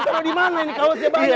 terus di mana ini kawasnya banyak